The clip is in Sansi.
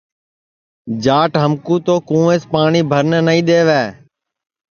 جاٹ ہم کُو تو کُووینٚس پاٹؔی بھرن نائی دے وے